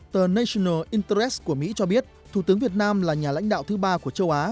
tờ national interres của mỹ cho biết thủ tướng việt nam là nhà lãnh đạo thứ ba của châu á